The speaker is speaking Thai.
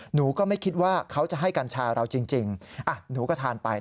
หนูก็ไม่คิดว่าเขาจะให้กัญชาเราจริงหนูก็ทานไป